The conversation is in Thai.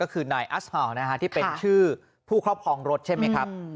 ก็คือนายอัสฮาวที่เป็นชื่อผู้ครอบครองรถใช่ไหมครับ